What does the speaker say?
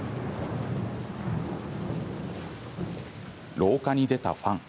廊下に出たファン。